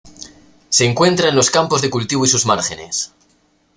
Se encuentra en los campos de cultivo y sus márgenes.